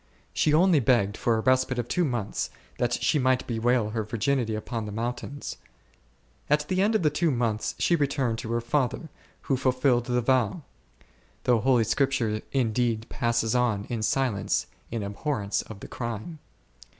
She only begged for a respite of two months, that she might bewail her virginity upon the mountains. At the end of the two months, she returned to her father, who fulfilled his vow ; though Holy Scripture indeed passes on in silence, in abhorrence of the crime.